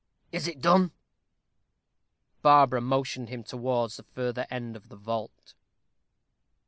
"Is it done?" Barbara motioned him towards the further end of the vault.